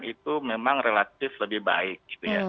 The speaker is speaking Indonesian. itu memang relatif lebih baik